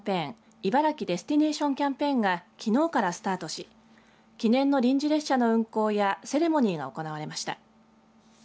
茨城デスティネーションキャンペーンがきのうからスタートし記念の臨時列車の運行やセレモニーが行われました。